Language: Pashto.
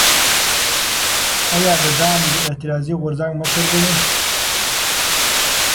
ایا ده ځان د اعتراضي غورځنګ مشر ګڼي؟